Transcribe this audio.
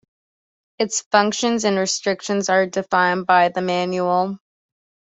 Its functions and restrictions are defined by the Manual.